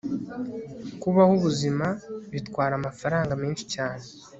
Kubaho ubuzima bitwara amafaranga menshi cyane